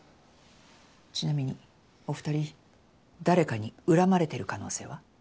ちなみにお２人誰かに恨まれてる可能性は？